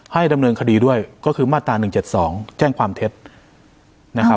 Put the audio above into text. ให้ดำเนินคดีด้วยก็คือมาตรา๑๗๒แจ้งความเท็จนะครับ